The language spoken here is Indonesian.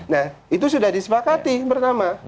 nah itu sudah disepakati pertama